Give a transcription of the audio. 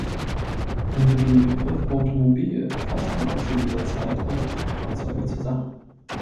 Unter dem Begriff "Automobil" fasste man zu dieser Zeit alle Kraftfahrzeuge zusammen.